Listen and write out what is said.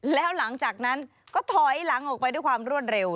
แล้วหลังจากนั้นก็ถอยหลังออกไปด้วยความรวดเร็ว